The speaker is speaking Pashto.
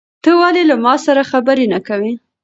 ته ولې له ما سره خبرې نه کوې؟